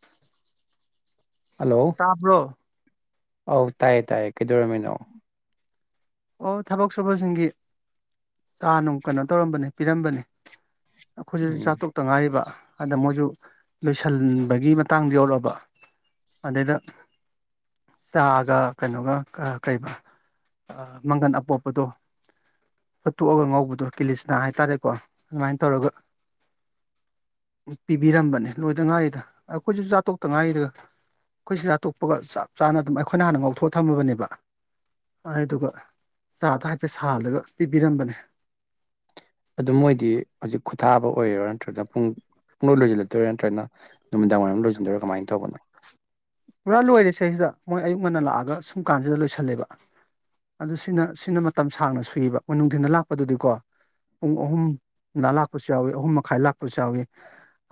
[inaudible] Hello ꯇꯥꯕ꯭ꯔꯣ ꯑꯧ ꯇꯥꯏꯌꯦ ꯇꯥꯏꯌꯦ ꯀꯩꯗꯧꯔꯝꯃꯤꯅꯣ ꯑꯣ ꯊꯕꯛ ꯁꯨꯕꯁꯤꯡꯒꯤ ꯆꯥ ꯅꯨꯡ ꯀꯩꯅꯣ ꯇꯧꯔꯝꯕꯅꯤ ꯄꯤꯔꯝꯕꯅꯤ ꯑꯩꯈꯣꯏꯁꯤ ꯎꯝ ꯆꯥꯊꯣꯛꯇ ꯉꯥꯏꯔꯤꯕ ꯑꯗ ꯃꯣꯏꯁꯨ ꯂꯣꯏꯁꯤꯟꯕꯒꯤ ꯃꯇꯥꯡꯗ ꯌꯧꯔꯛꯑꯕ ꯑꯗꯩꯗ ꯆꯥꯒ ꯀꯩꯅꯣꯒ ꯀꯩꯕ ꯃꯪꯒꯟ ꯑꯄꯣꯞꯄꯗꯣ ꯐꯠꯇꯣꯛꯑꯒ ꯉꯧꯕꯗꯣ ꯀꯤꯂꯤꯁꯅꯥ ꯍꯥꯏꯇꯥꯔꯦꯀꯣ ꯑꯗꯨꯃꯥꯏꯅ ꯇꯧꯔꯒ ꯄꯤꯕꯤꯔꯝꯕꯅꯦ ꯂꯣꯏꯗ ꯉꯥꯏꯔꯤꯗ ꯑꯩꯈꯣꯏꯁꯨ ꯆꯥꯇꯣꯛꯇ ꯉꯥꯏꯔꯤꯗ ꯑꯩꯈꯣꯏ ꯆꯛꯆꯥꯇꯣꯛꯄꯒ ꯆꯞ ꯆꯥꯅ ꯑꯗꯨꯝ ꯑꯩꯈꯣꯏꯅ ꯍꯥꯟꯅ ꯉꯧꯊꯣꯛꯑ ꯊꯝꯃꯕꯅꯦꯕ ꯑꯗꯨꯒ ꯆꯥꯗꯣ ꯍꯥꯏꯐꯦꯠ ꯁꯥꯍꯜꯂꯒ ꯄꯤꯕꯤꯔꯝꯕꯅꯦ ꯑꯗꯨ ꯃꯣꯏꯗꯤ ꯍꯧꯖꯤꯛ ꯈꯨꯊꯥꯕ ꯑꯣꯏꯔꯤꯔꯣ ꯅꯠꯇ꯭ꯔ ꯄꯨꯡ [unintelligible] ꯅꯠꯇ꯭ꯔꯒꯅ ꯅꯨꯃꯤꯗꯥꯡ ꯋꯥꯏꯔꯝ ꯂꯣꯏꯁꯤꯟꯗꯣꯏꯔ ꯀꯃꯥꯏꯅ ꯇꯧꯕꯅꯣ ꯄꯨꯔꯥ ꯂꯣꯏꯔꯦ ꯁꯦꯁꯤꯗ ꯃꯣꯏ ꯑꯌꯨꯛ ꯉꯟꯅ ꯂꯥꯛꯑꯒ ꯁꯨꯝ ꯀꯥꯟꯁꯤꯗ ꯂꯣꯏꯁꯤꯜꯂꯦꯕ ꯑꯗꯨ ꯁꯤꯅ ꯁꯤꯅ ꯃꯇꯝ ꯁꯥꯡꯅ ꯁꯨꯏꯕ ꯃꯣꯏ ꯅꯨꯡꯊꯤꯟꯗ ꯂꯥꯛꯄꯗꯨꯗꯤꯀꯣ ꯄꯨꯡ ꯑꯍꯨꯝꯗ ꯂꯥꯛꯄꯁꯨ ꯌꯥꯎꯋꯤ ꯑꯍꯨꯝ ꯃꯈꯥꯏ ꯂꯥꯛꯄꯁꯨ ꯌꯥꯎꯋꯤ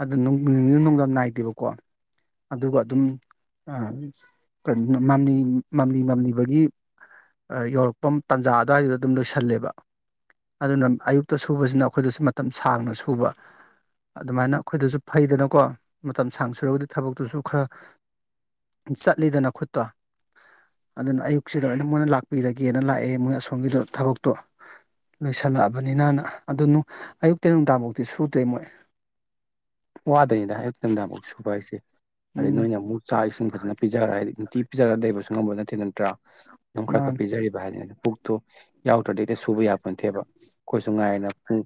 ꯑꯗꯨ ꯅꯨꯡꯗꯥꯡ ꯅꯥꯏꯗꯦꯕꯀꯣ ꯑꯗꯨꯒ ꯑꯗꯨꯝ ꯑ ꯃꯥꯝꯂꯤ ꯃꯥꯝꯂꯤ ꯃꯝꯂꯤꯕꯒꯤ ꯌꯧꯔꯛꯄ ꯇꯥꯟꯖꯥ ꯑꯗꯨꯋꯥꯏꯗꯨꯗ ꯑꯗꯨꯝ ꯂꯣꯏꯁꯜꯂꯦꯕ ꯑꯗꯨꯅ ꯑꯌꯨꯛꯇ ꯁꯨꯕꯁꯤꯅ ꯑꯩꯈꯣꯏꯗꯁꯨ ꯃꯇꯝ ꯁꯥꯡꯅ ꯁꯨꯕ ꯑꯗꯨꯃꯥꯏꯅ ꯑꯩꯈꯣꯏꯗꯁꯨ ꯐꯩꯗꯅꯀꯣ ꯃꯇꯝ ꯁꯥꯡ ꯁꯨꯔꯒꯗꯤ ꯊꯕꯛꯇꯨꯁꯨ ꯈꯔ ꯆꯠꯂꯤꯗꯅ ꯈꯨꯠꯇꯣ ꯑꯗꯨꯅ ꯑꯌꯨꯛꯁꯤꯗ ꯑꯣꯏꯅ ꯃꯣꯏꯅ ꯂꯥꯛꯄꯤꯒꯦꯅ ꯂꯥꯛꯑꯦ ꯃꯣꯏ ꯑꯁꯣꯝꯒꯤꯗ ꯊꯕꯛꯇꯣ ꯂꯣꯏꯁꯤꯜꯂꯛꯑꯕꯅꯤꯅꯅ ꯑꯗꯨ ꯑꯌꯨꯛꯇꯩ ꯅꯨꯡꯗꯥꯥꯡꯐꯥꯎꯗꯤ ꯁꯨꯗ꯭ꯔꯦ ꯃꯣꯏ ꯋꯥꯗꯣꯏꯅꯤꯗ ꯍꯥꯏꯗꯤ ꯅꯨꯡꯗꯥꯡꯕꯨꯛ ꯁꯨꯕ ꯍꯥꯏꯁꯦ ꯑꯗꯩ ꯎꯝ ꯅꯣꯏꯅ ꯑꯃꯨꯛ ꯆꯥꯛ ꯏꯁꯤꯡ ꯐꯖꯅ ꯄꯤꯖꯈꯔ ꯍꯥꯏꯗꯤ ꯅꯨꯡꯇꯤ ꯄꯤꯖꯔꯒ ꯂꯩꯕꯁꯨ ꯉꯝꯕ ꯅꯠꯇꯦ ꯅꯠꯇ꯭ꯔꯥ ꯑꯗꯨꯝ ꯈꯔ ꯈꯔ ꯃꯥꯅꯦ ꯄꯤꯖꯔꯤꯕ ꯍꯥꯏ ꯄꯨꯛꯇꯨ ꯌꯥꯎꯗ꯭ꯔꯗꯤ ꯁꯨꯕ ꯌꯥꯕꯄꯣꯠꯇꯦꯕ ꯑꯩꯈꯣꯏꯁꯨ ꯉꯥꯏꯅ ꯎꯝ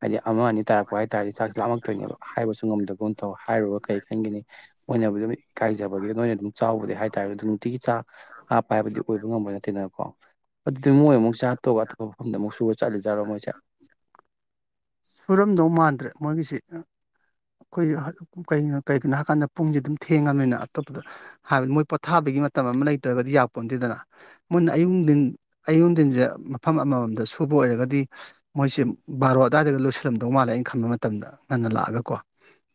ꯍꯥꯏꯗꯤ ꯑꯃ ꯑꯅꯤ ꯇꯥꯔꯛꯄ ꯍꯥꯏꯇꯥꯔꯗꯤ ꯆꯥꯛꯁꯨ ꯂꯥꯝꯃꯛꯇꯣꯏꯅꯦꯕ ꯍꯥꯏꯕꯁꯨ ꯉꯝꯗꯒꯨꯝ ꯇꯧ ꯍꯥꯏꯔꯨꯔ ꯀꯩ ꯈꯟꯈꯤꯅꯤ ꯑꯣꯏꯅꯕꯗꯤ ꯑꯗꯨꯝ ꯏꯀꯥꯏꯖꯕꯒꯤ ꯅꯣꯏꯅ ꯑꯗꯨꯝ ꯆꯥꯎꯕꯗꯤ ꯍꯥꯏꯇꯥꯔꯦ ꯑꯗꯨ ꯅꯨꯡꯇꯤꯒꯤ ꯆꯥꯛ ꯍꯥꯞꯄ ꯍꯥꯏꯕꯗꯤ ꯑꯣꯏꯕ ꯉꯝꯕ ꯅꯠꯇꯦꯗꯅꯀꯣ ꯑꯗꯨꯗꯤ ꯃꯣꯏ ꯑꯃꯨꯛ ꯆꯥꯛꯇꯣ ꯑꯇꯣꯞꯄ ꯃꯐꯝꯗ ꯑꯃꯨꯛ ꯁꯨꯔꯒ ꯆꯠꯂ ꯆꯠꯗꯣꯏꯖꯠꯂꯣ ꯃꯣꯏꯁꯦ ꯁꯨꯔꯝꯗꯧ ꯃꯥꯟꯗ꯭ꯔꯦ ꯃꯣꯏꯒꯤꯁꯤ ꯑꯩꯈꯣꯏ ꯀꯩꯅꯣ ꯀꯩꯒꯤꯅꯣ ꯍꯥꯏꯀꯥꯟꯗ ꯄꯨꯡꯁꯦ ꯑꯗꯨꯝ ꯊꯦꯡꯉꯝꯅꯤꯅ ꯑꯇꯣꯞꯄꯗ ꯍꯥꯏꯕꯗꯤ ꯃꯣꯏ ꯄꯣꯊꯥꯕꯒꯤ ꯃꯇꯝ ꯑꯃ ꯂꯩꯇ꯭ꯔꯒꯗꯤ ꯌꯥꯄꯣꯟꯗꯦꯗꯅ ꯃꯣꯏꯅ ꯑꯌꯨꯛ ꯅꯨꯡꯗꯤꯟ ꯖꯦ ꯃꯐꯝ ꯑꯃꯃꯝꯗ ꯁꯨꯕ ꯑꯣꯏꯔꯒꯗꯤ ꯃꯣꯏꯁꯦ ꯕꯥꯔꯣ ꯑꯗꯨꯋꯥꯏꯗꯒ ꯂꯣꯏꯁꯤꯜꯂꯝꯗꯧ ꯃꯥꯜꯂꯦ ꯑꯩꯅ ꯈꯟꯕ ꯃꯇꯝꯗ ꯉꯟꯅ ꯂꯥꯛꯑꯒ ꯀꯣ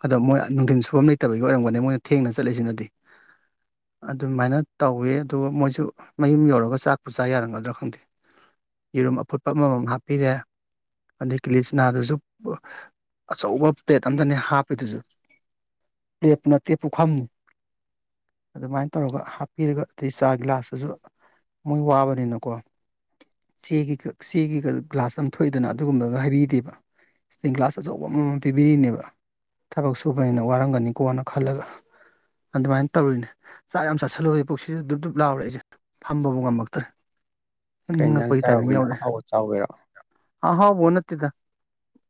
ꯑꯗꯣ ꯃꯣꯏ ꯅꯨꯡꯊꯤꯟ ꯁꯨꯕꯝ ꯂꯩꯇꯕꯒꯤ ꯑꯣꯏꯔꯝꯒꯅꯤ ꯃꯣꯏꯅ ꯊꯦꯡꯅ ꯆꯠꯂꯤꯁꯤꯅꯗꯤ ꯑꯗꯨꯃꯥꯏꯅ ꯇꯧꯋꯤ ꯑꯗꯨꯒ ꯃꯣꯏꯁꯨ ꯃꯌꯨꯝ ꯌꯧꯔꯒ ꯆꯥꯛꯄꯨ ꯆꯥ ꯌꯥꯔꯝꯒꯗ꯭ꯔꯥ ꯈꯪꯗꯦ ꯌꯦꯔꯨꯝ ꯑꯐꯨꯠꯄ ꯑꯃꯃꯝ ꯍꯥꯞꯄꯤꯔꯦ ꯑꯗꯩ ꯀꯤꯂꯤꯆꯅꯥꯗꯨꯁꯨ ꯑꯆꯧꯕ ꯄ꯭ꯂꯦꯠ ꯑꯝꯗꯅꯦ ꯍꯥꯞꯄꯤꯗꯨꯁꯨ ꯄꯂꯦꯠ ꯅꯠꯇꯦ ꯄꯨꯈꯝꯅꯤ ꯑꯗꯨꯃꯥꯏꯅ ꯇꯧꯔꯒ ꯍꯥꯞꯄꯤꯔꯒ ꯑꯗꯩ ꯆꯥ ꯒꯤꯂꯥꯁꯇꯨꯁꯨ ꯃꯣꯏ ꯋꯥꯕꯅꯤꯅꯀꯣ ꯆꯦꯒꯤ ꯆꯦꯒꯤ ꯒ꯭ꯂꯥꯁ ꯑꯃ ꯊꯣꯛꯏꯗꯅ ꯑꯗꯨꯒꯨꯝꯕ ꯑꯗꯨ ꯍꯥꯏꯕꯤꯗꯦꯕ ꯏꯁꯇꯤꯟ ꯒ꯭ꯂꯥꯁ ꯑꯆꯧꯕ ꯑꯃꯃꯝ ꯄꯤꯕꯤꯔꯤꯅꯦꯕ ꯊꯕꯛ ꯁꯨꯕꯅꯤꯅ ꯋꯥꯔꯝꯒꯅꯤꯀꯣꯅ ꯈꯜꯂꯒ ꯑꯗꯨꯃꯥꯏꯅ ꯇꯧꯔꯤꯅꯦ ꯆꯥꯛ ꯌꯥꯝ ꯆꯥꯥꯁꯜꯂꯨꯕꯩ ꯄꯨꯛꯁꯤꯁꯨ ꯗꯨꯞ ꯗꯨꯞ ꯂꯥꯎꯔꯦ ꯑꯩꯁꯦ ꯐꯝꯕꯕꯨ ꯉꯝꯃꯛꯇ꯭ꯔꯦ ꯇꯨꯝ ꯀꯩ ꯏꯟꯖꯥꯡ ꯅꯤꯡꯉꯛꯄꯒꯤ ꯇꯥꯏꯃꯤꯡ ꯆꯥꯔꯨꯕꯩꯅꯣ ꯌꯧꯔꯛꯑꯦ ꯑꯍꯥꯎꯕ ꯆꯥꯎꯕꯩꯔꯣ ꯑ ꯍꯥꯎꯕꯣ ꯅꯠꯇꯦꯗꯥ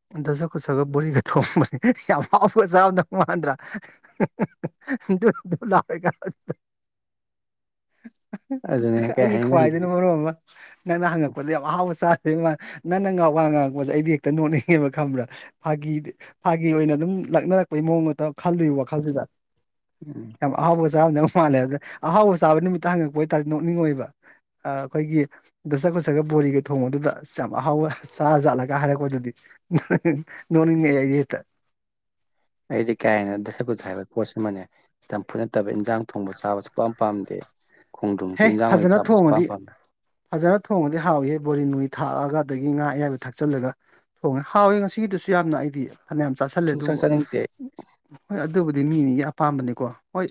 ꯗꯁꯥ ꯀꯨꯁꯥꯒꯥ ꯕꯣꯔꯤꯒꯥ ꯊꯣꯡꯕꯅꯦ ꯌꯥꯝ ꯍꯥꯎꯅ ꯆꯔꯝꯗꯧ ꯃꯥꯟꯗꯔꯥ ꯗꯨꯞ ꯗꯨꯞ ꯂꯥꯎꯔꯦ ꯀꯥꯏꯅ ꯑꯗꯨꯅꯦ ꯀꯩ ꯑꯩꯒꯤ ꯍꯥꯏꯅꯤ ꯅꯪꯒꯤ ꯈꯨꯍꯥꯏꯗꯨꯅ ꯃꯔꯣꯟ ꯑꯃꯥ ꯅꯪꯅ ꯍꯪꯉꯛꯄꯗ ꯌꯥꯝ ꯑꯍꯥꯎꯕ ꯆꯥꯗꯣꯐꯃꯥꯟ ꯅꯪꯅ ꯉꯥ ꯋꯥ ꯉꯥꯡ ꯕꯁꯦ ꯑꯩꯗꯤ ꯍꯦꯛꯇ ꯅꯣꯛꯅꯤꯡꯉꯦꯕ ꯍꯦꯛꯇꯥ ꯈꯡꯕ꯭ꯔꯥ ꯐꯥꯒꯤ ꯐꯥꯒꯤ ꯑꯣꯏꯅ ꯑꯗꯨꯝ ꯂꯛꯅꯔꯛꯄꯩ ꯃꯑꯣꯡ ꯃꯇ ꯈꯜꯂꯨꯏ ꯋꯥꯈꯜꯁꯤꯗ ꯎꯝ ꯌꯥꯝ ꯑꯍꯥꯎꯕ ꯆꯥꯕꯝꯗꯧ ꯃꯥꯜꯂꯦ ꯑꯗꯨꯗ ꯑꯍꯥꯎꯕ ꯆꯥꯕ ꯅꯨꯃꯤꯠꯇ ꯍꯪꯉꯛꯄ ꯑꯣꯏꯇꯥꯔꯗꯤ ꯅꯣꯛꯅꯤꯡꯑꯣꯏꯕ ꯑꯩꯈꯣꯏꯒꯤ ꯗꯁ ꯀꯨꯁꯦ ꯒ ꯕꯣꯔꯤꯒ ꯊꯣꯡ ꯕꯗꯨꯗ ꯌꯥꯝ ꯑꯍꯥꯎꯕ ꯆꯥꯖꯥꯠꯂ ꯀꯥ ꯍꯥꯏꯔꯛꯄꯗꯨꯗꯤ ꯅꯣꯛꯅꯤꯡꯉꯦ ꯑꯩꯗꯤ ꯍꯦꯛꯇꯥ ꯑꯩꯁꯦ ꯀꯥ ꯍꯦꯟꯅ ꯗꯁꯥ ꯀꯨꯁꯥ ꯍꯥꯏꯕ ꯄꯣꯠꯁꯤ ꯃꯥꯅꯦ ꯆꯝꯐꯨꯠ ꯅꯠꯇꯕ ꯏꯟꯖꯥꯡ ꯊꯣꯡꯕ ꯆꯥꯕꯁꯨ ꯁꯨꯛꯄꯥꯝ ꯄꯥꯝꯗꯦ ꯈꯣꯡꯗ꯭ꯔꯨꯝꯁꯨ ꯍꯦ ꯏꯟꯖꯥꯡ ꯑꯣꯏꯅ ꯐꯖꯅ ꯆꯥꯕꯁꯨ ꯊꯣꯡꯉꯗꯤ ꯁꯨꯄꯥꯝ ꯄꯥꯝꯗꯦ ꯐꯖꯅ ꯊꯣꯡꯉꯗꯤ ꯍꯥꯎꯏꯍꯦ ꯕꯣꯔꯤ ꯅꯨꯡꯂꯥ ꯊꯥꯛꯑꯒ ꯑꯗꯒꯤ ꯉꯥ ꯑꯌꯥꯏꯕ ꯊꯥꯛꯆꯜꯂꯒ ꯍꯥꯎꯋꯦ ꯉꯁꯤꯒꯤꯗꯨꯁꯨ ꯌꯥꯝꯅ ꯑꯩꯗꯤ ꯐꯅꯌꯥꯝ ꯆꯥꯁꯟ ꯈꯜꯂꯦ ꯁꯨꯡꯆꯥ ꯑꯗꯨꯕꯨ ꯆꯥꯅꯤꯡꯗꯦ ꯍꯣꯏ ꯑꯗꯨꯕꯨꯗꯤ ꯃꯤ ꯃꯤꯒꯤ ꯑꯄꯥꯝꯕꯅꯤꯀꯣ ꯍꯣꯏ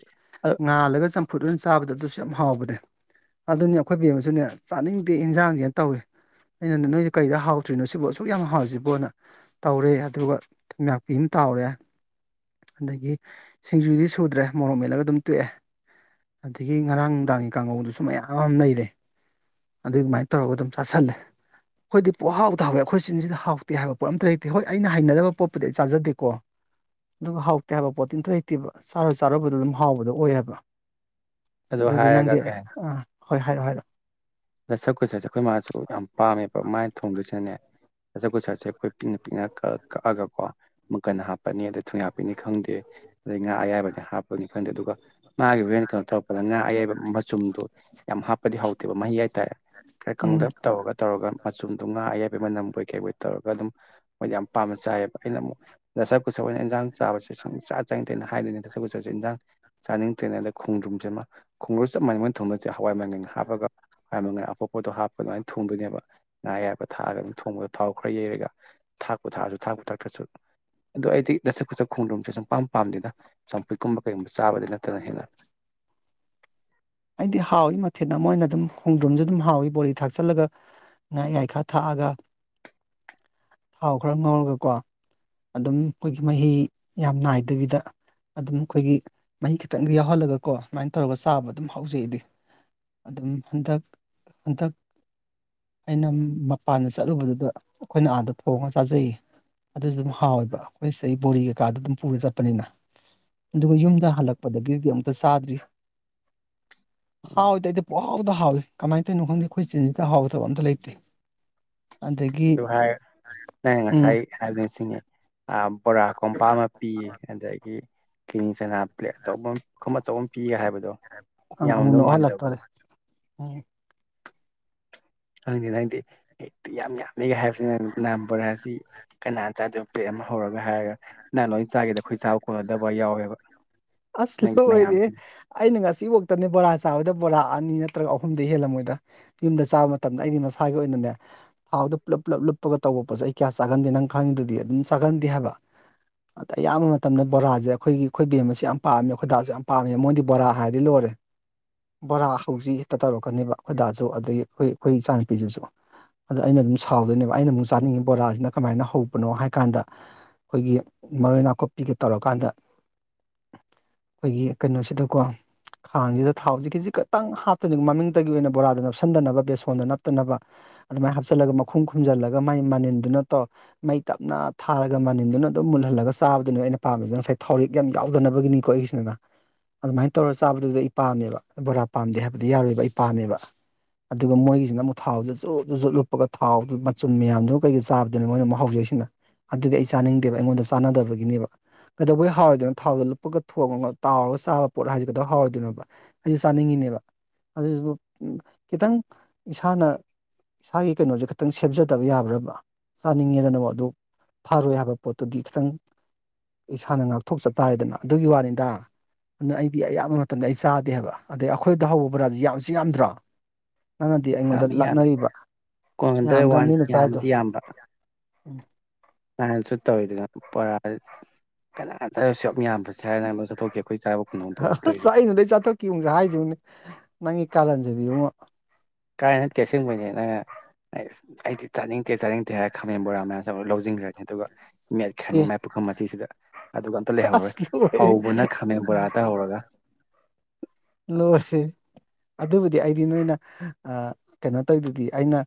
ꯑ ꯉꯥꯜꯂꯒ ꯆꯝꯐꯨꯠ ꯑꯣꯏꯅ ꯆꯥꯕꯗꯣ ꯑꯗꯨꯁꯨ ꯌꯥꯝ ꯍꯥꯎꯕꯅꯦ ꯑꯗꯨꯅꯤ ꯑꯩꯈꯣꯏ ꯕꯦꯝꯃꯥꯁꯨꯅꯦ ꯆꯥꯅꯤꯡꯗꯦ ꯏꯟꯖꯥꯡꯁꯦꯅ ꯇꯧꯏ ꯑꯩꯅ ꯅꯣꯏꯗꯤ ꯀꯩꯗ ꯍꯥꯎꯇꯔꯤꯅꯣꯅꯣ ꯁꯤꯕꯨ ꯑꯁꯨꯛ ꯌꯥꯝ ꯍꯥꯎꯁꯤꯕꯣꯅ ꯇꯧꯔꯦ ꯑꯗꯨꯒ ꯊꯩꯝꯌꯥꯛꯄꯤ ꯑꯃ ꯇꯥꯎꯔꯦ ꯑꯗꯒꯤ ꯁꯤꯡꯖꯨꯗꯤ ꯁꯨꯗ꯭ꯔꯦ ꯃꯣꯔꯣꯛ ꯃꯦꯠꯂꯒ ꯑꯗꯨꯝ ꯇꯣꯛꯑꯦ ꯑꯗꯒꯤ ꯉꯔꯥꯡ ꯅꯨꯡꯗꯥꯡꯒꯤ ꯀꯥꯡꯉꯧꯗꯨꯁꯨ ꯃꯌꯥꯝ ꯑꯃ ꯂꯩꯔꯦ ꯑꯗꯨꯏꯃꯥꯏꯅ ꯇꯧꯔꯒ ꯑꯗꯨꯝ ꯆꯥꯥꯁꯜꯂꯦ ꯑꯩꯈꯣꯏꯗꯤ ꯄꯨ ꯍꯥꯎꯇ ꯍꯥꯎꯋꯦ ꯑꯩꯈꯣꯏ ꯆꯤꯟꯁꯤꯗ ꯍꯥꯎꯇꯦ ꯍꯥꯏꯕ ꯄꯣꯠ ꯑꯝꯇ ꯂꯩꯇꯦ ꯍꯣꯏ ꯑꯩꯅ ꯍꯩꯅꯕ ꯄꯣꯠꯄꯨꯗꯤ ꯑꯩ ꯆꯥꯖꯗꯦꯀꯣ ꯑꯗꯨꯒ ꯍꯥꯎꯇꯦ ꯍꯥꯏꯕ ꯄꯣꯠ ꯇꯤ ꯑꯝꯇꯥ ꯍꯩꯇꯦꯕ ꯆꯥꯔꯨ ꯆꯥꯔꯨꯕꯗꯣ ꯑꯗꯨꯝ ꯍꯥꯎꯕꯗꯣ ꯑꯣꯏ ꯍꯥꯏꯕ ꯑꯗꯨ ꯑꯗꯨꯗꯤ ꯍꯥꯏꯔꯒ ꯅꯪꯁꯦ ꯀꯩ ꯑꯥ ꯍꯣꯏ ꯍꯥꯏꯔꯛꯑꯣ ꯍꯥꯏꯔꯛꯑꯣ ꯗꯁꯥ ꯀꯨꯁꯥꯁꯦ ꯑꯩꯈꯣꯏ ꯃꯥꯁꯨ ꯌꯥꯝ ꯄꯥꯝꯃꯦꯕ ꯃꯥꯅ ꯊꯣꯡꯗꯣꯏꯁꯤꯅꯅꯦ ꯗꯁꯥꯀꯨꯁꯥꯁꯦ ꯑꯩꯈꯣꯏ ꯄꯤꯛꯅ ꯄꯤꯛꯅ ꯀꯛꯑꯥ ꯀꯛꯑꯥꯒꯀꯣ ꯃꯪꯀꯟ ꯍꯥꯞꯄꯅꯤ ꯑꯗ ꯊꯨꯡꯌꯥꯥꯛꯄꯤꯅꯦ ꯈꯪꯗꯦ ꯑꯗꯩ ꯉꯥ ꯑꯌꯥꯏꯕꯅꯦ ꯍꯥꯞꯄꯅꯤ ꯈꯪꯗꯦ ꯑꯗꯨꯒ ꯃꯥꯒꯤ ꯍꯨꯔꯦꯟ ꯀꯩꯅꯣ ꯇꯧꯔꯛꯄꯗꯅ ꯑꯌꯥꯏꯕ ꯃꯆꯨꯝꯗꯣ ꯌꯥꯝ ꯍꯥꯞꯄꯗꯤ ꯍꯥꯎꯇꯦꯕ ꯃꯍꯤ ꯍꯥꯏꯇꯥꯔꯦ ꯈꯔ ꯎꯝ ꯀꯪꯂꯞ ꯇꯧꯔꯒ ꯇꯧꯔꯒ ꯃꯆꯨꯝꯗꯣ ꯉꯥ ꯑꯌꯥꯏꯕꯩ ꯃꯅꯝꯕꯣꯏ ꯀꯩꯕꯣꯏ ꯇꯧꯔꯒ ꯑꯗꯨꯝ ꯃꯣꯏꯗꯤ ꯌꯥꯝ ꯄꯥꯝꯅ ꯆꯥꯏꯌꯦꯕ ꯑꯩꯅ ꯑꯃꯨꯛ ꯗꯁꯥ ꯀꯨꯁꯥ ꯑꯣꯏꯅ ꯏꯟꯖꯥꯡ ꯆꯥꯕꯁꯦ ꯁꯨꯪꯆꯥ ꯆꯥꯅꯤꯡꯇꯦꯅ ꯍꯥꯏꯗꯣꯏꯅꯤ ꯗꯁꯥ ꯀꯨꯁꯥ ꯁꯦ ꯏꯟꯖꯥꯡ ꯆꯥꯅꯤꯡꯇꯦꯅ ꯑꯗꯩ ꯈꯣꯡꯗ꯭ꯔꯨꯝꯖꯤꯃꯥ ꯈꯣꯡꯗ꯭ꯔꯨꯝ ꯆꯞ ꯃꯅꯩ ꯃꯣꯢ ꯊꯣꯡꯗꯣꯏꯖꯦ ꯍꯋꯥꯏ ꯃꯪꯒꯟꯒ ꯍꯥꯞꯄꯒ ꯍꯋꯥꯏ ꯃꯪꯒꯟ ꯑꯄꯣꯛꯄꯗꯣ ꯍꯥꯞꯄ ꯑꯗꯨꯃꯥꯏꯅ ꯊꯣꯡꯗꯣꯏꯅꯦꯕ ꯉꯥ ꯑꯌꯥꯏꯕ ꯊꯥꯛꯑꯒ ꯑꯗꯨꯝ ꯊꯣꯡꯕꯗꯣ ꯊꯥꯎ ꯈꯔ ꯌꯩꯔꯒ꯫ ꯊꯥꯥꯛꯄꯨ ꯊꯥꯛꯑꯖꯨ ꯊꯥꯛꯄꯨ ꯊꯥꯛꯇꯔ꯭ꯖꯨ ꯑꯗꯣ ꯑꯩꯗꯤ ꯗꯁꯥ ꯀꯨꯁꯥ ꯈꯣꯡꯗꯔ꯭ꯨꯝꯁꯦ ꯁꯨꯝ ꯄꯥꯝ ꯄꯥꯝꯗꯅ ꯆꯝꯐꯨꯠꯀꯨꯝꯕ ꯀꯩꯒꯨꯝꯕ ꯆꯥꯕꯗꯤ ꯅꯠꯇꯅ ꯍꯦꯟꯅ ꯑꯩꯗꯤ ꯍꯥꯎꯏ ꯃꯊꯦꯟ ꯑꯃ ꯑꯣꯏꯅ ꯑꯗꯨꯝ ꯈꯣꯡꯗ꯭ꯔꯨꯝꯁꯨ ꯑꯗꯨꯝ ꯍꯥꯎꯏ ꯕꯣꯔꯤ ꯊꯥꯛꯆꯜꯂꯒ ꯉꯥ ꯑꯌꯥꯏ ꯈꯔ ꯊꯥꯛꯑꯒ ꯊꯥꯎ ꯈꯔ ꯉꯧꯔꯒꯀꯣ ꯑꯗꯨꯝ ꯑꯩꯈꯣꯏꯒꯤ ꯃꯍꯤ ꯌꯥꯝ ꯅꯥꯏꯗꯕꯤꯗ ꯑꯗꯨꯝ ꯑꯩꯈꯣꯏꯒꯤ ꯃꯍꯤ ꯈꯤꯇꯪꯒ ꯌꯥꯎꯍꯜꯂꯒꯀꯣ ꯑꯗꯨꯃꯥꯏꯟ ꯇꯧꯔꯒ ꯆꯥꯕ ꯑꯗꯨꯝ ꯍꯥꯎꯖꯩ ꯑꯩꯗꯤ ꯑꯗꯨꯝ ꯍꯟꯗꯛ ꯍꯟꯗꯛ ꯑꯩꯅ ꯃꯄꯥꯟꯗ ꯆꯠꯂꯨꯕꯗꯨꯗ ꯑꯩꯈꯣꯏꯅ ꯑꯥꯗ ꯊꯣꯡꯉ ꯆꯥꯖꯩ ꯑꯗꯨꯁꯨ ꯑꯗꯨꯝ ꯍꯥꯎꯋꯦꯕ ꯑꯩꯈꯣꯏ ꯁꯤꯗꯩ ꯕꯣꯔꯤ ꯀꯩꯀꯥꯗꯣ ꯑꯗꯨꯝ ꯄꯨꯔ ꯆꯠꯄꯅꯤꯅ ꯑꯗꯨꯒ ꯌꯨꯝꯗ ꯍꯜꯂꯛꯄꯗꯒꯤꯗꯤ ꯑꯃꯨꯛꯇ ꯆꯥꯗ꯭ꯔꯤ ꯎꯝ ꯍꯥꯎꯗꯤ ꯑꯩꯗꯤ ꯄꯨꯍꯥꯎꯗ ꯍꯥꯎꯏ ꯀꯃꯥꯏꯅ ꯇꯧꯏꯅꯣ ꯈꯪꯗꯦ ꯈꯣꯏ ꯆꯤꯟꯁꯤꯗ ꯍꯥꯎꯕ ꯊꯕꯛ ꯑꯝꯇ ꯂꯩꯇꯦ ꯑꯗꯒꯤ ꯚꯥꯏ ꯅꯡꯅ ꯎꯝ ꯉꯁꯥꯏ ꯍꯥꯏꯕꯗꯨ ꯁꯤꯅꯤ ꯑꯥ ꯕꯣꯔꯥ ꯀꯣꯝꯄꯥꯛ ꯑꯃ ꯄꯤ ꯑꯗꯒꯤ ꯀꯤꯅꯤ ꯆꯅꯥ ꯄ꯭ꯂꯦꯠ ꯑꯆꯧꯕ ꯑꯃ ꯈꯨꯝ ꯑꯆꯧꯕ ꯑꯃ ꯄꯤꯒ ꯍꯥꯏꯕꯗꯣ ꯑꯪ ꯑꯃꯨꯛ ꯌꯥꯝꯃꯝꯗꯧ ꯃꯥꯟꯗꯕꯗꯣ ꯅꯣꯛꯍꯜꯂꯛꯇꯣꯔꯦ ꯎꯝ ꯈꯪꯗꯦꯗ ꯑꯩꯗꯤ ꯍꯦꯛꯇꯤ ꯌꯥꯝ ꯌꯥꯝꯃꯦꯒ ꯍꯥꯏꯕꯁꯤꯅ ꯅꯥꯝ ꯕꯣꯔꯥꯁꯤ ꯀꯅꯥꯅ ꯆꯥꯗꯣꯏꯅꯣ ꯄ꯭ꯂꯦꯠ ꯑꯃ ꯍꯧꯔꯒ ꯍꯥꯏꯔꯒ ꯅꯂꯣꯏ ꯆꯥꯒꯦꯗ ꯑꯩꯈꯣꯏ ꯆ ꯀꯣꯟꯅꯗꯕ ꯌꯥꯎꯋꯦꯕ ꯑꯁ ꯑꯩꯒꯤ ꯂꯣꯏꯔꯦꯍꯦ ꯃꯌꯥꯝꯁꯤꯗꯤ ꯑꯩꯅ ꯉꯁꯤꯐꯥꯎꯗꯅꯦ ꯕꯣꯔꯥ ꯆꯥꯕꯗ ꯕꯣꯔꯥ ꯑꯅꯤ ꯅꯠꯇ꯭ꯔꯒ ꯑꯍꯨꯝꯗꯩ ꯍꯦꯜꯂꯝꯃꯣꯏꯗ ꯌꯨꯝꯗ ꯆꯥꯕ ꯃꯇꯝꯗ ꯑꯩꯗꯤ ꯃꯁꯥꯒꯤ ꯑꯣꯏꯅꯅꯦ ꯊꯥꯎꯗ ꯄꯨꯂꯞ ꯄꯨꯂꯞ ꯂꯨꯞꯄꯒ ꯇꯧꯕ ꯄꯣꯠꯁꯦ ꯑꯩ ꯀꯌꯥ ꯆꯥꯒꯟꯗꯦ ꯅꯪ ꯈꯪꯉꯤꯗꯨꯗꯤ ꯑꯗꯨꯝ ꯆꯥꯒꯟꯗꯦ ꯍꯥꯏꯕ ꯑꯗ ꯌꯥꯝꯕ ꯃꯠ ꯃꯇꯝꯗ ꯕꯣꯔꯥꯖꯦ ꯑꯩꯈꯣꯏꯒꯤ ꯑꯩꯈꯣꯏ ꯕꯦꯝ ꯑꯁꯤ ꯌꯥꯝ ꯄꯥꯝꯃꯦ ꯑꯩꯈꯣꯏ ꯗꯥꯁꯨ ꯌꯥꯝ ꯄꯥꯝꯃꯦ ꯃꯣꯏꯗꯤ ꯕꯣꯔꯥ ꯍꯥꯏꯔꯗꯤ ꯂꯣꯏꯔꯦ꯫ ꯕꯣꯔꯥ ꯍꯧꯖꯤ ꯍꯦꯛꯇ ꯇꯧꯔꯛꯀꯅꯦꯕ ꯑꯩꯈꯣꯏꯗꯥꯁꯨ ꯑꯗꯒꯤ ꯑꯩꯈꯣꯏ ꯑꯩꯈꯣꯏ ꯏꯆꯥ ꯅꯨꯨꯄꯤꯖꯤꯁꯨ ꯫ ꯑꯗ ꯑꯩꯅ ꯑꯗꯨꯝ ꯁꯥꯎꯗꯣꯏꯅꯦꯕ ꯑꯩꯅ ꯑꯃꯨꯛ ꯆꯥꯅꯤꯡꯉꯤ ꯕꯣꯔꯥꯁꯤꯅ ꯀꯃꯥꯏꯅ ꯍꯧꯕꯅꯣ ꯍꯥꯏ ꯀꯥꯟꯗ ꯈꯣꯏꯒꯤ ꯃꯔꯣꯏ ꯅꯥꯀꯨꯞꯄꯤꯒ ꯇꯧꯔꯀꯥꯟꯗ ꯈꯣꯏꯒꯤ ꯀꯩꯅꯣꯁꯤꯗꯀꯣ ꯈꯥꯡꯖꯤꯗ ꯊꯥꯎꯁꯤ ꯈꯤꯖꯤꯛ ꯈꯇꯪ ꯍꯥꯞꯇꯣꯅꯤꯀꯣ ꯃꯃꯤꯡꯇꯒꯤ ꯑꯣꯏꯅ ꯕꯣꯔꯥꯗ ꯅꯞꯁꯤꯟꯗꯅꯕ ꯕꯦꯁꯣꯟꯗ ꯅꯞꯇꯅꯕ ꯑꯗꯨꯃꯥꯏꯅ ꯍꯥꯞꯆꯤꯜꯂꯒ ꯃꯈꯨꯝ ꯈꯨꯝꯖꯜꯂꯒ ꯃꯥꯏ ꯃꯅꯤꯟꯗꯨꯅ ꯇꯧ ꯃꯩ ꯇꯞꯅ ꯊꯥꯔꯒ ꯃꯅꯤꯟꯗꯨꯅ ꯑꯗꯨꯝ ꯃꯨꯜꯍꯜꯂꯒ ꯆꯥꯕ ꯗꯨꯅꯦꯕꯥ ꯑꯩꯅ ꯄꯥꯝꯃꯤꯖꯤꯅ ꯉꯁꯥꯏ ꯊꯥꯎꯔꯦꯛ ꯌꯥꯝ ꯌꯥꯎꯗꯅꯕꯒꯤꯅꯤꯀꯣ ꯑꯩꯒꯤꯁꯤꯅ ꯑꯗꯨꯃꯥꯏꯟ ꯇꯧꯔ ꯆꯥꯕꯗꯨꯗꯤ ꯑꯩ ꯄꯥꯝꯃꯦꯕ ꯕꯣꯔꯥ ꯄꯥꯝꯗꯦ ꯍꯥꯏꯕꯗꯤ ꯌꯥꯔꯣꯏꯕ ꯑꯩ ꯄꯥꯝꯃꯦꯕ꯫ ꯑꯗꯨꯒ ꯃꯣꯏꯒꯤꯁꯤꯅ ꯑꯃꯨꯛ ꯊꯥꯎꯗꯨ ꯖꯣꯞ ꯖꯨꯞ ꯖꯨꯞ ꯂꯨꯞꯄꯒ ꯊꯥꯎꯗꯨ ꯃꯆꯨꯝ ꯃꯌꯥꯝꯗꯨꯅ ꯀꯩꯀ ꯆꯥꯕꯗꯨꯅꯦ ꯃꯣꯏꯅ ꯑꯃꯨꯛ ꯍꯧꯖꯩꯁꯤꯅ ꯑꯗꯨꯗꯤ ꯑꯩ ꯆꯥꯅꯤꯡꯗꯦꯕ ꯑꯩꯉꯣꯟꯗ ꯆꯥꯅꯗꯕꯒꯤ ꯒꯤꯅꯦꯕ ꯀꯩꯗꯧꯕꯩ ꯍꯥꯎꯔꯣꯏꯗꯣꯏꯣ ꯊꯥꯎꯗ ꯂꯨꯞꯄꯒ ꯊꯣꯡꯉꯒ ꯇꯥꯎꯔꯒ ꯆꯥꯕ ꯄꯣꯠ ꯍꯥꯏꯁꯦ ꯀꯩꯗꯧ ꯍꯥꯎꯔꯣꯏꯗꯣꯏꯅꯣꯕ ꯑꯩꯖꯨ ꯆꯥꯅꯤꯡꯉꯤꯅꯦꯕ ꯑꯗꯨꯏꯖꯨ ꯈꯤꯇꯪ ꯏꯁꯥꯅ ꯏꯁꯥꯒꯤ ꯀꯩꯅꯣꯖꯦ ꯈꯤꯇꯪ ꯁꯦꯝꯖꯗꯕ ꯌꯥꯕ꯭ꯔꯕ ꯆꯥꯅꯤꯡꯉꯦꯗꯅ ꯑꯗꯨ ꯐꯥꯔꯣꯏ ꯍꯥꯏꯕ ꯄꯣꯠꯇꯨꯗꯤ ꯈꯤꯇꯪ ꯏꯁꯥꯅ ꯉꯥꯛꯊꯣꯛꯆ ꯇꯥꯔꯦꯗꯅ ꯑꯗꯨꯒꯤ ꯋꯥꯅꯤꯗ ꯑꯗꯨꯅ ꯑꯩꯗꯤ ꯑꯌꯥꯝꯕ ꯃꯇꯝꯗ ꯑꯩ ꯆꯥꯗꯦ ꯍꯥꯏꯕ ꯑꯗꯩ ꯑꯩꯈꯣꯏꯗ ꯍꯧꯕ ꯕꯣꯔꯥꯁꯤ ꯌꯥꯝꯁꯨ ꯌꯥꯝꯗ꯭ꯔꯣ ꯅꯪꯅꯗꯤ ꯑꯩꯉꯣꯟꯗ ꯌꯥꯝꯃꯤ ꯌꯥꯝꯃꯤ ꯂꯥꯛꯅꯔꯤꯕ ꯀꯣꯟ ꯍꯟꯗ꯭ꯔꯦꯠ ꯋꯥꯟ ꯌꯥꯝꯗ꯭ꯔꯥꯅꯤꯅ ꯆꯥꯏꯗꯣ ꯌꯥꯝꯕꯗꯤ ꯌꯥꯝꯕ ꯅꯍꯥꯟꯁꯨ ꯇꯧꯋꯗꯨꯅ ꯄꯔ ꯀꯅꯥ ꯆ ꯑꯁꯨꯌꯥꯝ ꯌꯥꯝꯕꯁꯦ ꯍꯥꯏꯅ ꯑꯃꯨ ꯆꯊꯣꯛꯈꯤ ꯑꯈꯣꯏ ꯆꯥꯕ ꯐꯪꯍꯧꯗ ꯇꯧꯔꯤꯗꯨ ꯑꯁ ꯑꯩꯅ ꯂꯣ ꯆꯊꯣꯛ ꯀꯤꯝꯒ ꯍꯥꯏꯁꯤꯕꯨꯅꯦ ꯅꯪꯒꯤ ꯀꯥꯔꯟꯁꯤꯗꯤ ꯏꯕꯨꯉꯣ ꯀꯥꯏ ꯅꯠꯇꯦ ꯑꯁꯦꯡꯕꯩꯅꯦ ꯅꯪꯅ ꯑꯩꯁ ꯑꯩꯗꯤ ꯆꯥꯅꯤꯡꯇꯦ ꯆꯥꯅꯤꯡꯇꯦ ꯍꯥꯏꯔ ꯈꯥꯃꯦꯟ ꯕꯣꯔꯥ ꯃꯌꯥꯝꯁꯨ ꯂꯧꯖꯤꯟꯒꯔꯅꯤ ꯑꯗꯨꯒ ꯑꯦ ꯃꯦꯠꯈ꯭ꯔꯅꯤ ꯃꯥꯏ ꯄꯨꯈꯝ ꯃꯆꯤꯁꯤꯗ ꯑꯗꯨꯒ ꯑꯝꯇ ꯂꯩꯍꯧꯔꯔꯣꯏ ꯑꯁ ꯂꯣꯏꯔꯦ ꯍꯧꯕꯅ ꯈꯥꯃꯦꯟ ꯕꯣꯔꯥꯇ ꯍꯧꯔꯒ ꯂꯣꯏꯔꯦꯍꯦ ꯑꯗꯨꯕꯨꯗꯤ ꯑꯩꯗꯤ ꯅꯣꯏꯅ ꯑ ꯀꯩꯅꯣ ꯇꯣꯏꯗꯨꯗꯤ ꯑꯩꯅ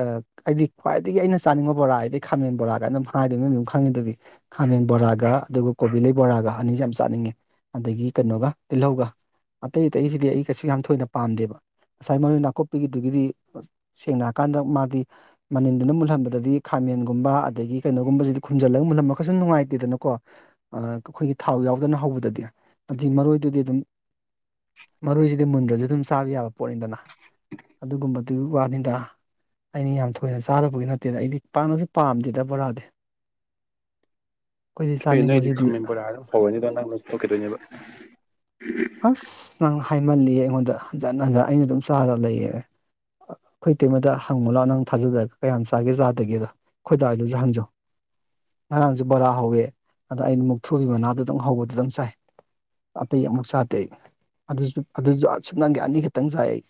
ꯑ ꯑꯩꯗꯤ ꯈ꯭ꯋꯥꯏꯗꯒꯤ ꯑꯩꯅ ꯆꯥꯅꯤꯡꯕ ꯕꯣꯔꯥ ꯍꯥꯏꯗꯤ ꯈꯥꯃꯦꯟ ꯕꯣꯔꯥꯒ ꯑꯗꯨꯝ ꯍꯥꯏꯗꯨꯅꯤ ꯅꯣꯏ ꯑꯗꯨꯝ ꯈꯪꯉꯤꯗꯨꯗꯤ ꯈꯥꯃꯦꯡ ꯕꯣꯔꯥꯒ ꯑꯗꯨꯒ ꯀꯣꯕꯤꯂꯩ ꯕꯣꯔꯥꯒ ꯑꯅꯤꯁꯤ ꯌꯥꯝ ꯆꯥꯅꯤꯡꯉꯦ ꯑꯗꯒꯤ ꯀꯩꯅꯣꯒ ꯇꯤꯜꯍꯧꯒ ꯑꯇꯩ ꯑꯇꯩꯁꯤꯗꯤ ꯑꯩ ꯀꯩꯁꯨ ꯌꯥꯝ ꯊꯣꯏꯅ ꯄꯥꯝꯗꯦꯕ ꯉꯁꯥꯏ ꯃꯔꯣꯏ ꯅꯥꯀꯨꯞꯄꯤꯒꯤꯗꯨꯒꯤꯗꯤ ꯁꯦꯡꯅ ꯍꯥꯏꯀꯥꯟꯗ ꯃꯥꯗꯤ ꯃꯅꯤꯟꯗꯨꯅ ꯃꯨꯜꯍꯟꯕꯗꯗꯤ ꯈꯥꯃꯦꯟꯒꯨꯝꯕ ꯑꯗꯒꯤ ꯀꯩꯅꯣꯒꯨꯝꯕꯁꯤꯗꯤ ꯈꯨꯝꯖꯤꯜꯂꯒ ꯃꯨꯜꯂꯟꯕ ꯀꯩꯁꯨ ꯅꯨꯡꯉꯥꯏꯇꯦꯗꯅꯀꯣ ꯑ ꯑꯈꯣꯏꯒꯤ ꯊꯥꯎ ꯌꯥꯎꯗꯅ ꯍꯧꯕꯗꯗꯤ ꯑꯗꯨꯏ ꯃꯔꯣꯏꯗꯨꯗꯤ ꯑꯗꯨꯝ ꯃꯔꯣꯏꯁꯤꯗꯤ ꯃꯨꯟꯗ꯭ꯔꯁꯨ ꯑꯗꯨꯝ ꯆꯥꯕ ꯌꯥꯕ ꯄꯣꯠꯅꯤꯗꯅ ꯑꯗꯨꯒꯨꯝꯕꯗꯨꯒꯤ ꯋꯥꯅꯤꯗ ꯑꯩꯅ ꯌꯥꯝ ꯊꯣꯏꯅ ꯆꯥꯔꯨꯕꯒꯤ ꯅꯠꯇꯦꯗ ꯑꯩꯗꯤ ꯄꯥꯛꯅꯁꯨ ꯄꯥꯝꯗꯦꯗ ꯕꯣꯔꯥꯗꯤ ꯑꯩꯈꯣꯏꯗꯤ ꯊꯣꯏꯅꯦ ꯅꯣꯏꯗꯤ ꯆꯥꯅꯤꯡꯕꯁꯤꯗꯤ ꯈꯥꯃꯦꯟ ꯕꯣꯔꯥ ꯑꯗꯨꯝ ꯍꯧꯔꯅꯤ ꯑꯗꯨꯒ ꯅꯪ ꯂꯣꯏ ꯊꯣꯛꯈꯤꯗꯣꯏꯅꯦꯕ ꯑꯁ ꯅꯪ ꯍꯥꯏꯃꯜꯂꯤꯌꯦ ꯑꯩꯉꯣꯟꯗ ꯍꯟꯖꯟ ꯍꯟꯖ ꯑꯩꯅ ꯑꯗꯨꯝ ꯆꯥꯔꯒ ꯂꯩꯌꯦ ꯑꯈꯣꯏ ꯇꯩꯃꯗ ꯍꯪꯉꯨ ꯂꯥꯎ ꯅꯪ ꯊꯥꯖꯗꯔꯒ ꯀꯌꯥꯝ ꯆꯥꯒꯦ ꯆꯥꯗꯒꯦꯗꯣ ꯈꯣꯏꯗꯥꯗꯖꯨ ꯍꯪꯖꯧ ꯉꯔꯥꯡꯁꯨ ꯕꯣꯔꯥ ꯍꯧꯋꯤ ꯑꯗ ꯑꯩꯅ ꯃꯨꯛꯊ꯭ꯔꯨꯕꯤ ꯃꯅꯥꯗꯨꯗꯪ ꯍꯧꯕꯗꯨꯗꯪ ꯆꯥꯏ ꯑꯇꯩ ꯑꯃꯨꯛ ꯆ ꯗꯦ ꯑꯗꯨꯁꯨ ꯑꯗꯨꯁꯨ ꯁꯨꯞꯅꯒꯤ ꯑꯅꯤꯈꯛꯇꯪ ꯆꯥꯏ ꯑꯩ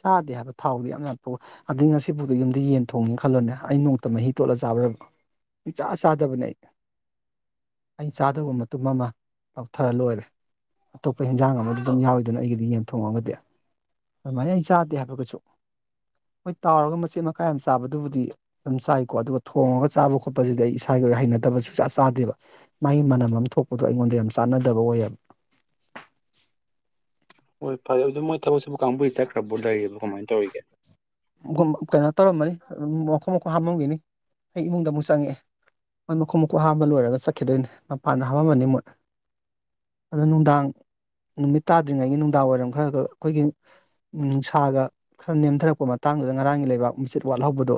ꯆꯥꯗꯦ ꯍꯥꯏꯕ ꯊꯥꯎꯗꯤ ꯌꯥꯝ ꯌꯥꯝ ꯌꯥꯝꯊꯣ ꯑꯗꯩ ꯉꯁꯤꯐꯥꯎꯗ ꯌꯨꯝꯗ ꯌꯦꯟ ꯊꯣꯡꯉꯦ ꯈꯜꯂꯣꯅꯦ ꯑꯩ ꯅꯣꯡꯃꯇ ꯃꯍꯤ ꯇꯣꯠꯂ ꯆꯥꯕ꯭ꯔꯕ ꯏꯆꯥ ꯆꯥꯗꯕꯅꯦ ꯑꯩ ꯑꯩ ꯆꯥꯗꯕ ꯃ ꯇꯨꯝ ꯑꯃ ꯂꯧꯊꯔ ꯂꯣꯏꯔꯦ ꯑꯇꯣꯞꯄ ꯍꯦꯟꯖꯥꯡ ꯑꯃꯗꯤ ꯑꯗꯨꯝ ꯌꯥꯎꯋꯤꯗꯅ ꯑꯩꯒꯤꯗꯤ ꯌꯦꯟꯊꯣꯡꯉꯒꯗꯤ ꯑꯗꯨꯃꯥꯏꯅ ꯑꯩ ꯆꯥꯗꯦ ꯍꯥꯏꯕ ꯀꯩꯁꯨ ꯍꯣꯏ ꯇꯥꯎꯔꯒ ꯃꯆꯦꯠ ꯃꯀꯥꯏ ꯑꯃ ꯆꯥꯕꯗꯨꯕꯨꯗꯤ ꯑꯗꯨꯝ ꯆꯥꯏꯀꯣ ꯑꯗꯨꯒ ꯊꯣꯡꯉꯒ ꯆꯥꯕ ꯈꯣꯠꯄꯁꯤꯗꯤ ꯑꯩ ꯏꯁꯥꯒꯤ ꯑꯣꯏꯅ ꯍꯩꯅꯗꯕ ꯁꯨꯛꯆꯥ ꯆꯥꯗꯦꯕ ꯃꯥꯒꯤ ꯃꯅꯝ ꯑꯃ ꯊꯣꯛꯄꯗꯣ ꯑꯩꯉꯣꯟꯗ ꯌꯥꯝ ꯆꯥꯟꯅꯗꯕ ꯑꯣꯏꯌꯦꯕ ꯍꯣꯏ ꯐꯔꯦ ꯑꯗꯨ ꯃꯣꯏ ꯊꯕꯛꯁꯨꯕ ꯀꯥꯡꯕꯨꯗꯤ ꯆꯠꯈ꯭ꯔꯕꯣ ꯂꯩꯔꯤꯕꯣ ꯀꯃꯥꯏ ꯇꯧꯔꯤꯒꯦ ꯒꯨꯝꯕ ꯀꯩꯅꯣ ꯇꯧꯔꯝꯃꯅꯤ ꯃꯈꯣꯡ ꯃꯈꯨꯠ ꯍꯥꯝꯃꯝꯒꯤꯅꯤ ꯑꯩ ꯏꯃꯨꯡꯗ ꯑꯃꯨꯛ ꯆꯪꯉꯛꯑꯦ ꯃꯣꯏ ꯃꯈꯣꯡ ꯃꯈꯨꯠ ꯍꯥꯝꯕ ꯂꯣꯏꯔꯒ ꯆꯠꯈꯤꯗꯣꯏꯅꯦ ꯃꯄꯥꯟꯗ ꯍꯥꯝꯃꯝꯃꯅꯤ ꯃꯣꯏ ꯑꯗ ꯅꯨꯡꯗꯥꯡ ꯅꯨꯃꯤꯠ ꯇꯥꯗ꯭ꯔꯤꯉꯩꯒꯤ ꯅꯨꯡꯗꯥꯡ ꯋꯥꯏꯔꯝ ꯈꯔ ꯈ ꯑꯈꯣꯏꯒꯤ ꯅꯨꯡꯁꯥꯒ ꯈꯔ ꯅꯦꯝꯊꯔꯛꯄ ꯃ ꯇꯥꯡꯗꯨꯗ ꯉꯔꯥꯡꯒꯤ ꯂꯩꯕꯥꯛ ꯃꯆꯤꯠ ꯋꯥꯠꯍꯧꯕꯗꯣ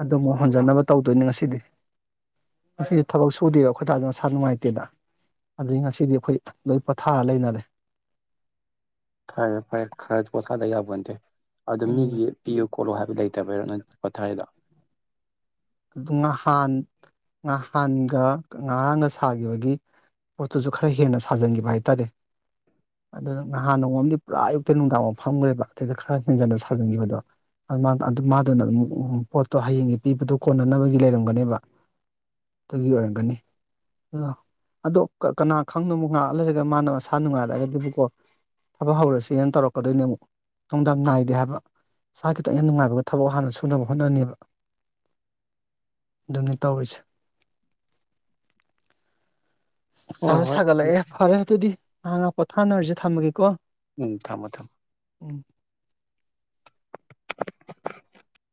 ꯑꯗꯨꯃꯨꯛ ꯍꯣꯟꯖꯟꯅꯕ ꯇꯧꯗꯣꯏꯅꯤ ꯉꯁꯤꯗꯤ ꯉꯁꯤꯗꯤ ꯊꯕꯛ ꯁꯨꯗꯦꯕ ꯈꯣꯏꯇꯥꯗꯣ ꯃꯁꯥ ꯅꯨꯡꯉꯥꯏꯇꯦꯅ ꯑꯗꯨꯒꯤ ꯉꯁꯤꯗꯤ ꯑꯈꯣꯏ ꯂꯣꯏ ꯄꯣꯊꯥꯔ ꯂꯩꯅꯔꯦ ꯐꯔꯦ ꯐꯔꯦ ꯈꯔ ꯄꯣꯠꯊꯥꯗ ꯌꯥꯕꯣꯟꯇꯦ ꯑꯗꯨ ꯎꯝ ꯃꯤꯒꯤ ꯄꯤꯌꯨ ꯈꯣꯠꯂꯣ ꯍꯥꯏꯕ ꯂꯩꯇꯕꯩꯔꯣ ꯅꯣꯏ ꯄꯣꯊꯥꯏꯗꯣ ꯑꯗꯨ ꯉꯍꯥꯟ ꯉꯍꯥꯟꯒ ꯉꯔꯥꯡꯒ ꯁꯥꯈꯤꯕꯒꯤ ꯄꯣꯠꯇꯨꯁꯨ ꯈꯔ ꯍꯦꯟꯅ ꯁꯥꯖꯟꯒꯤꯕ ꯍꯥꯏꯇꯥꯔꯦ ꯑꯗ ꯅꯍꯥꯟ ꯅꯣꯡꯃꯑꯝꯗꯤ ꯄꯨꯔꯥ ꯑꯌꯨꯛꯇꯩ ꯅꯨꯡꯗꯥꯡꯕꯧ ꯐꯝꯒ꯭ꯔꯦꯕ ꯑꯗꯩꯗ ꯈꯔ ꯍꯦꯟꯖꯟꯅ ꯁꯥꯖꯟꯒꯤꯕꯗꯣ [unintelligible] ꯑꯗꯨ ꯃꯥꯗꯨꯅ [unintelligible] ꯄꯣꯠꯇꯣ ꯍꯌꯦꯡꯒꯤ ꯄꯤꯕꯗꯣ ꯀꯣꯟꯅꯅꯕꯒꯤ ꯂꯩꯔꯝꯒꯅꯦꯕ ꯑꯗꯨꯒꯤ ꯑꯣꯏꯔꯝꯒꯅꯤ ꯑꯗ ꯑꯗꯣ ꯀ ꯀꯅꯥ ꯈꯪꯉꯝꯃꯣ ꯉꯍꯥꯛ ꯂꯩꯔꯒ ꯃꯥꯅ ꯃꯁꯥ ꯅꯨꯡꯉꯥꯏꯔꯛꯑꯒꯗꯤꯕꯀꯣ ꯊꯕꯛ ꯍꯧꯔꯁꯦꯅ ꯇꯧꯔꯛꯀꯗꯨꯏꯅꯦ ꯑꯃꯨꯛ ꯅꯨꯡꯗꯝ ꯅꯥꯏꯗꯦ ꯍꯥꯏꯕ ꯃꯁꯥ ꯈꯤꯇꯪ ꯍꯦꯛ ꯅꯨꯡꯉꯥꯏꯕꯒ ꯊꯕꯛ ꯍꯥꯟꯅ ꯁꯨꯅꯕ ꯍꯣꯠꯅꯅꯤꯕ ꯑꯗꯨꯅꯤ ꯇꯧꯔꯤꯁꯦ ꯁꯥ ꯍꯣꯏ ꯍꯣꯏ ꯁꯥꯒꯠꯂꯛꯑꯦ ꯐꯔꯦ ꯑꯗꯨꯗꯤ ꯉꯍꯥꯛ ꯉꯍꯥꯛ ꯄꯣꯊꯥꯅꯔꯖꯤ ꯊꯝꯃꯒꯦꯀꯣ ꯎꯝ ꯊꯝꯃꯣ ꯊꯝꯃꯣ ꯎꯝ [unintelligible]